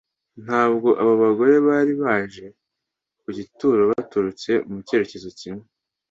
ntabwo abo bagore bari baje ku gituro baturutse mu cyerekezo kimwe